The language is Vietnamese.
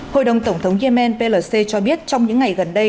hội đồng tổng thống yemen plc cho biết trong những ngày gần đây